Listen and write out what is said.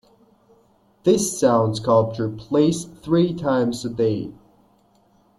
This sound sculpture plays three times a day.